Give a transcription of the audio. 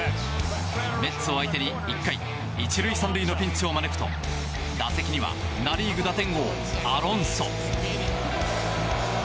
メッツを相手に１回１塁３塁のピンチを招くと打席にはナ・リーグ打点王アロンソ。